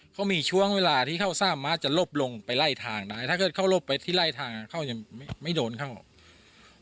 เขามีช่วงเวลาที่เขาสร้างม้าจะลบลงไปไล่ทางได้ถ้าเกิดเขาลบไปที่ไล่ทางเข้ายังไม่โดนเข้าหรอก